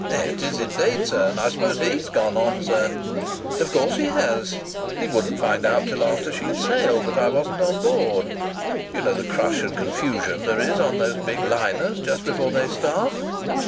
"It is indeed, sir. And I suppose he's gone on, sir?" "Of course he has! He wouldn't find out till after she sailed that I wasn't on board. You know the crush and confusion there is on those big liners just before they start."